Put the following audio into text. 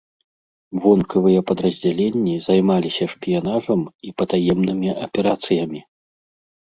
Вонкавыя падраздзяленні займаліся шпіянажам і патаемнымі аперацыямі.